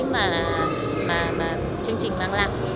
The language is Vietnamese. mà chương trình mang lặng